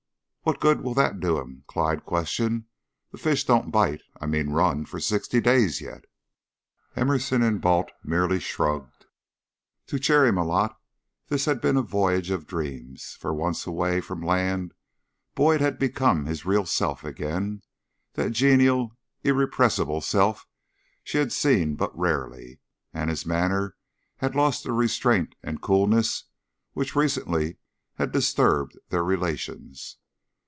"What good will that do him?" Clyde questioned. "The fish don't bite I mean run for sixty days yet." Emerson and Balt merely shrugged. To Cherry Malotte this had been a voyage of dreams; for once away from land, Boyd had become his real self again that genial, irrepressible self she had seen but rarely and his manner had lost the restraint and coolness which recently had disturbed their relations.